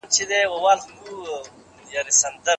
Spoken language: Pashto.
د ټولني مشران د روغتیا سره څه مرسته کوي؟